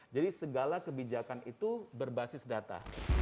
jadi segala kebijakan itu berbasis data